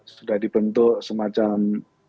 sudah dibentuk semacam